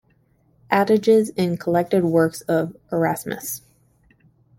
"Adages" in "Collected Works of Erasmus".